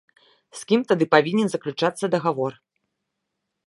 З кім тады павінен заключацца дагавор?